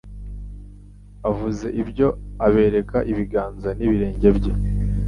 Avuze ibyo abereka ibiganza n'ibirenge bye."